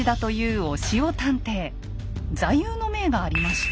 座右の銘がありまして。